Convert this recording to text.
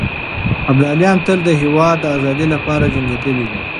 ابداليان تل د هېواد د ازادۍ لپاره جنګېدلي دي.